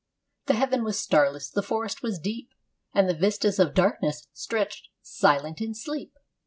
The heaven was starless, the forest was deep, And the vistas of darkness stretched silent in sleep.